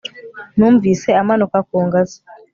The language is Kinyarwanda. numvise amanuka ku ngazi